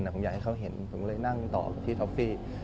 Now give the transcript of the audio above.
แต่ผมอยากให้เขาเห็นผมเลยนั่งต่อไปที่ท็อฟฟี่